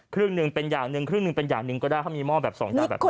ครึ่งหนึ่งเป็นอย่างหนึ่งครึ่งหนึ่งเป็นอย่างหนึ่งก็ได้เขามีหม้อแบบสองอย่างแบบนี้